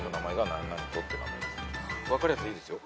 分かるやつでいいですよ。